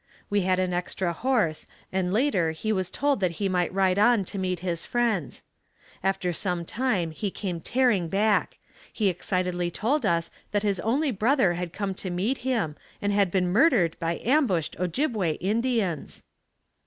We had an extra horse and later he was told that he might ride on to meet his friends. After some time he came tearing back. He excitedly told us that his only brother had come to meet him and had been murdered by ambushed Ojibway Indians.